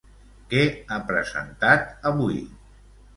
Què ha presentat avui?